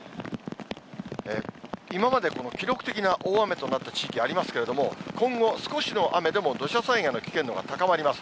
今までこの記録的な大雨となった地域ありますけれども、今後、少しの雨でも土砂災害の危険度が高まります。